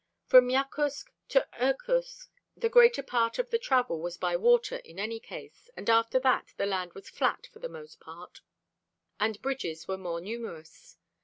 From Yakutsk to Irkutsk the greater part of the travel was by water in any case, and after that the land was flat for the most part and bridges were more numerous.